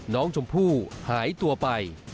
น้องชมพู่หายตัวไป